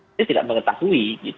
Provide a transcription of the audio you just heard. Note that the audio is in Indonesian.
dia tidak mengetahui